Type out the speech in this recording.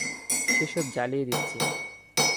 সে সব জ্বালিয়ে দিচ্ছে!